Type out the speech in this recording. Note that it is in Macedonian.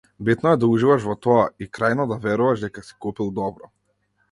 Битно е да уживаш во тоа и, крајно, да веруваш дека си купил добро.